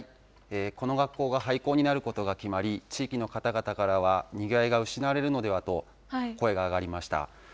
この学校が廃校になることが決まり、地域の方々からはにぎわいが失われるのではと、声が上がりました。